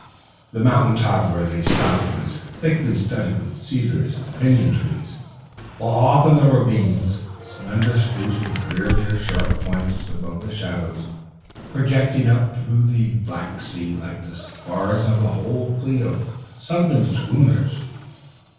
The mountain top where they stopped was thickly studded with cedars and pinyon trees, while off in the ravines slender spruces reared their sharp points above the shadows, projecting up through the black sea like the spars of a whole fleet of sunken schooners.